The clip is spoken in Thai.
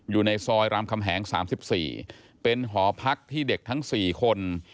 อยู่ในซอยรามคำแหง๓๔เป็นหอพักที่เด็กทั้ง๔คน